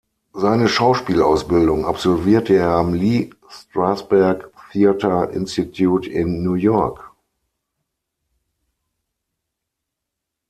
Seine Schauspielausbildung absolvierte er am Lee Strasberg Theatre Institute in New York.